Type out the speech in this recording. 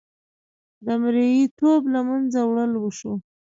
د مریې توب له منځه وړل وشو.